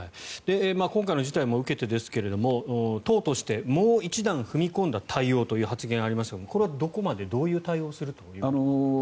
今回の事態も受けてですが党としてもう一段踏み込んだ対応という発言ですがこれはどこまで、どういう対応をするということですか？